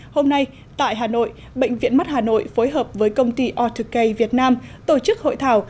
hôm nay tại hà nội bệnh viện mắt hà nội phối hợp với công ty autocay việt nam tổ chức hội thảo